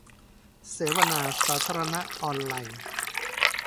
เสวนาสาธารณะออนไลน์